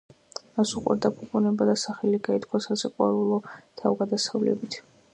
მას უყვარდა ფუფუნება და სახელი გაითქვა სასიყვარულო თავგადასავლებით.